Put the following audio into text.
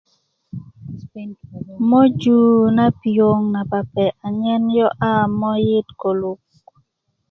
moju na piöŋ napape anyen yo'ya moyit koluk